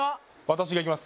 私がいきます